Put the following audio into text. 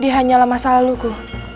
dia hanyalah masa laluku